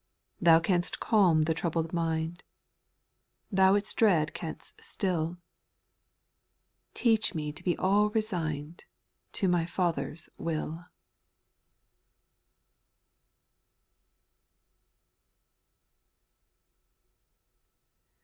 Thou canst calm the troubled mind. Thou its dread canst still, Teach me to be all resign'd To my Father's will.